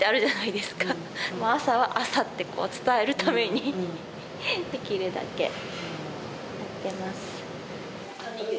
朝は朝って伝えるためにできるだけやってます。